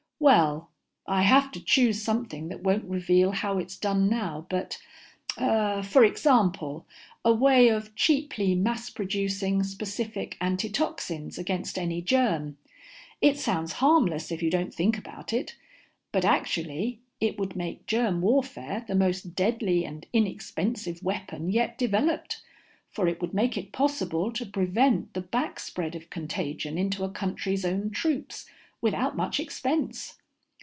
"Well, I have to choose something that won't reveal how it's done now, but ah for example, a way of cheaply mass producing specific antitoxins against any germ. It sounds harmless if you don't think about it, but actually it would make germ warfare the most deadly and inexpensive weapon yet developed, for it would make it possible to prevent the backspread of contagion into a country's own troops, without much expense.